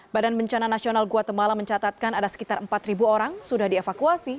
badan bencana nasional guatemala mencatatkan ada sekitar empat orang sudah dievakuasi